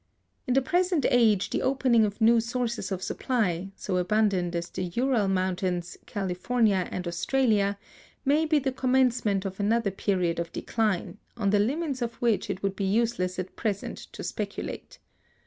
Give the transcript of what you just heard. In the present age the opening of new sources of supply, so abundant as the Ural Mountains, California, and Australia, may be the commencement of another period of decline, on the limits of which it would be useless at present to speculate.